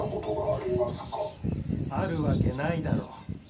あるわけないだろ。